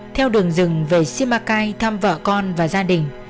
theo đường rừng về simacai thăm vợ con và gia đình